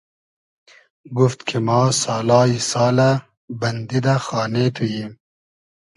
گوفت کی ما سالای سالۂ بئندی دۂ خانې تو ییم